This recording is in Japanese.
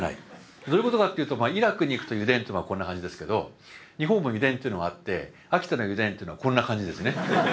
どういうことかっていうとイラクに行くと油田ってのはこんな感じですけど日本も油田っていうのはあって秋田の油田というのはこんな感じですね。